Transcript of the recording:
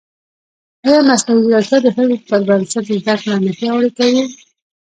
ایا مصنوعي ځیرکتیا د حفظ پر بنسټ زده کړه نه پیاوړې کوي؟